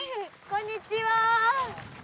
こんにちは